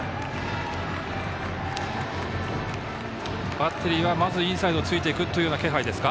バッテリーは、まずインサイドをついていくという気配ですか？